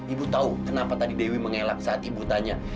ibu tahu kenapa tadi dewi mengelak saat ibu tanya